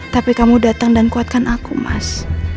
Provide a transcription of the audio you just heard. tapi kamu datang dan kuatkan aku mas